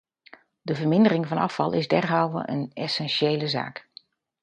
De vermindering van afval is derhalve een essentiële zaak.